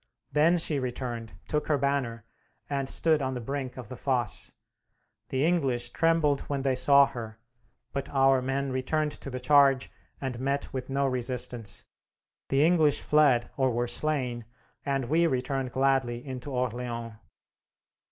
Then she returned, took her banner, and stood on the brink of the fosse. The English trembled when they saw her, but our men returned to the charge and met with no resistance. The English fled or were slain, and we returned gladly into Orleans."